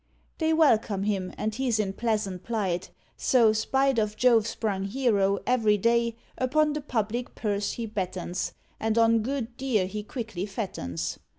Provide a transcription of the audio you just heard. They welcome him, and he's in pleasant plight; So, spite of Jove sprung hero, every day Upon the public purse he battens, And on good deer he quickly fattens.